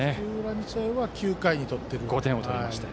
日大は９回に取っているという。